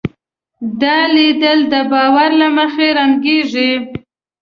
دا لید د باور له مخې رنګېږي.